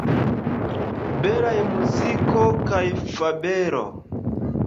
Belaj muziko kaj fabelo!